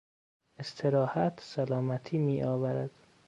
استراحت سلامتی میآورد.